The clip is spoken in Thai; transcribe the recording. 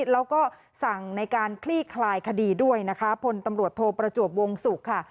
แล้วก็สั่งในการคลี่คลายคดีด้วยนะคะพลตำรวจโทประจวบวงศุกร์ค่ะ